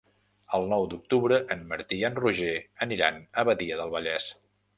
El nou d'octubre en Martí i en Roger aniran a Badia del Vallès.